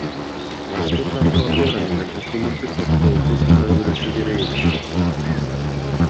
Башкы прокуратура менен УКМК токтоосуз чара көрүшү керек эле.